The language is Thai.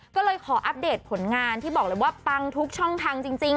ก็เลยขออัปเดตผลงานที่บอกเลยว่าปังทุกช่องทางจริง